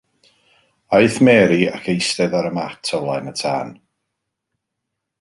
Aeth Mary ac eistedd ar y mat o flaen y tân.